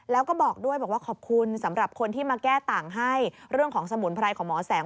แล้วก็บอกด้วยบอกว่าขอบคุณสำหรับคนที่มาแก้ต่างให้เรื่องของสมุนไพรของหมอแสง